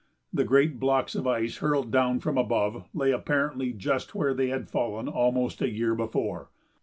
The great blocks of ice hurled down from above lay apparently just where they had fallen almost a year before.